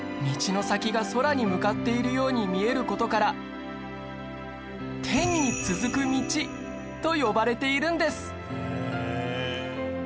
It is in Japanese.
道の先が空に向かっているように見える事から「天に続く道」と呼ばれているんです